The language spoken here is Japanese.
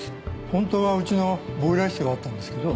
ホントはうちのボイラー室があったんですけど。